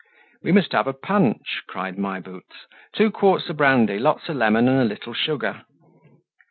"We must have a punch!" cried My Boots; "two quarts of brandy, lots of lemon, and a little sugar."